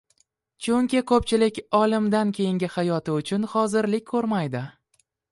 Chunki ko‘pchilik o‘limdan keyingi hayoti uchun hozirlik ko‘rmaydi